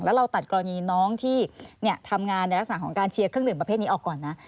แล้วเราตัดกรณีน้องที่ทำงานในลักษณะของการเชียร์เครื่องดื่มประเภทนี้ออกก่อนนะ